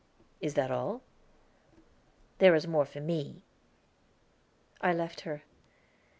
"Is that all?" "There is more for me." I left her.